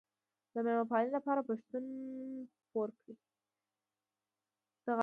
د میلمه پالنې لپاره پښتون پور کوي.